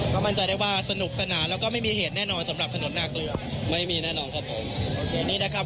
ก็มั่นใจได้ว่าสนุกสนานแล้วก็ไม่มีเหตุแน่นอนสำหรับถนนนาเกลือไม่มีแน่นอนครับผมเดี๋ยวนี้นะครับ